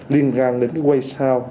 liên quan đến cái way sound